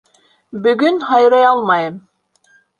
— Бөгөн һайрай алмайым.